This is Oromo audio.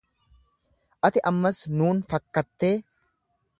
Ati ammas nuun fakkattee?